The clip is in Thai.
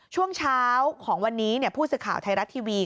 ช่วงเช้าของวันนี้ผู้สื่อข่าวไทยรัฐทีวี